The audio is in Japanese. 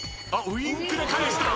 ウインクで返した！